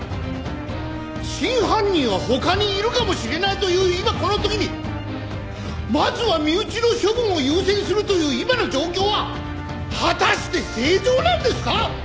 真犯人は他にいるかもしれないという今この時にまずは身内の処分を優先するという今の状況は果たして正常なんですか！？